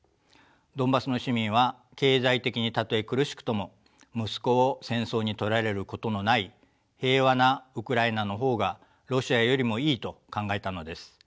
ドンバスの市民は経済的にたとえ苦しくとも息子を戦争にとられることのない平和なウクライナの方がロシアよりもいいと考えたのです。